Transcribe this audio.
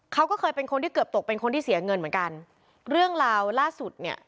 เขาก็เคยเป็นคนที่เกือบตกเป็นคนที่เสียเงินเหมือนกันเรื่องราวล่าสุดเนี่ย